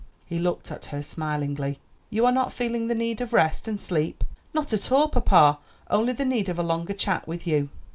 He looked at her smilingly. "You are not feeling the need of rest and sleep?" "Not at all, papa; only the need of a longer chat with you."